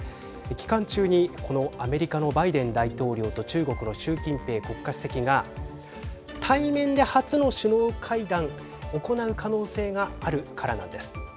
期間中にこのアメリカのバイデン大統領と中国の習近平国家主席が対面で初の首脳会談行う可能性があるからなんです。